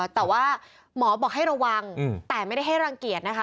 แต่ว่าหมอบอกให้ระวังแต่ไม่ได้ให้รังเกียจนะคะ